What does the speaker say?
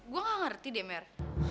gue gak ngerti deh mer